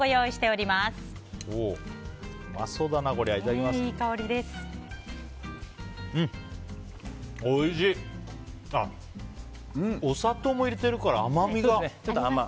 お砂糖も入れてるから甘みが。